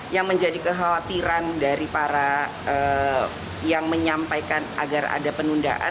yang menjadi kekhawatiran dari para yang menyampaikan agar ada penundaan